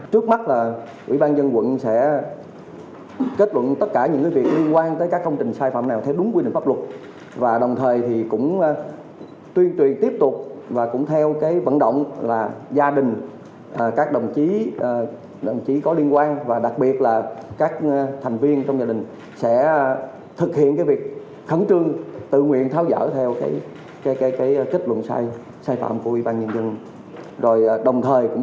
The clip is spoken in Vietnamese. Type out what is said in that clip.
trước mắt là ủy ban dân quận sẽ kết luận tất cả những việc liên quan tới các công trình sai phạm nào theo đúng quy định pháp luật và đồng thời thì cũng tuyên truyền tiếp tục và cũng theo cái vận động là gia đình các đồng chí có liên quan và đặc biệt là các thành viên trong gia đình sẽ thực hiện cái việc khẩn trương tự nguyện tháo dở theo cái kết luận sai phạm của ủy ban dân quận